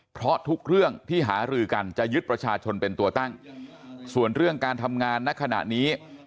เพราะทุกเรื่องที่หารือกันจะยึดประชาชนเป็นตัวตั้งส่วนเรื่องการทำงานในขณะนี้